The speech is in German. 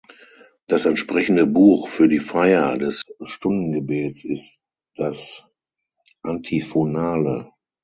Das entsprechende Buch für die Feier des Stundengebets ist das Antiphonale.